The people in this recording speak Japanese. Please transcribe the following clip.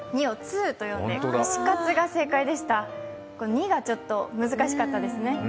「２」がちょっと難しかったですね。